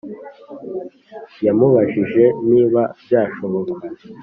yamubabajije niba byashoka